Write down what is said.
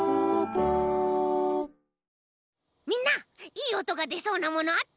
いいおとがでそうなものあった？